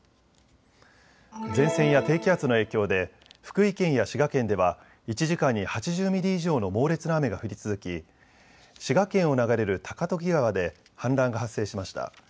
前線や低気圧の影響で福井県や滋賀県では１時間に８０ミリ以上の猛烈な雨が降り続き滋賀県を流れる高時川で氾濫が発生しました。